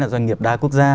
là doanh nghiệp đa quốc gia